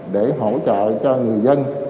để hỗ trợ cho người dân